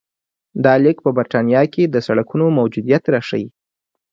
دا لیک په برېټانیا کې د سړکونو موجودیت راښيي